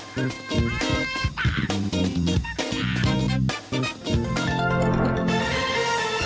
สวัสดีอ้าวไปกันไม่มี